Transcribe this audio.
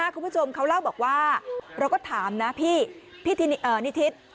คุณผู้ชมเขาเล่าบอกว่าเราก็ถามนะพี่นิทิศ